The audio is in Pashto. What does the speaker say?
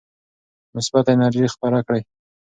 مثبته انرژي خپره کړئ.